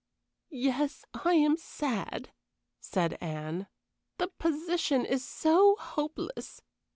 "Yes, I am sad," said Anne. "The position is so hopeless.